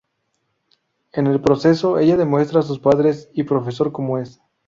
En el proceso, ella demuestra a sus padres y profesor como es.